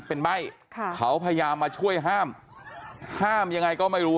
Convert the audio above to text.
เป็นใบ้ค่ะเขาพยายามมาช่วยห้ามห้ามยังไงก็ไม่รู้